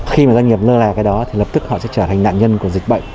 khi mà doanh nghiệp lơ là cái đó thì lập tức họ sẽ trở thành nạn nhân của dịch bệnh